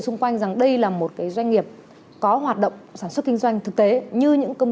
xung quanh rằng đây là một doanh nghiệp có hoạt động sản xuất kinh doanh thực tế như những công